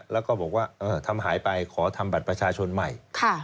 แล้วก็บอกว่าทำหายไปขอทำบัตรประชาชนใหม่